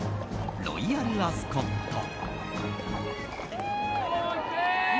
ロイヤル・アスコット。